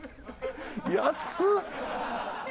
安っ！